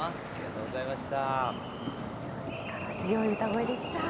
力強い歌声でした。